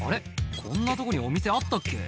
こんなとこにお店あったっけ？」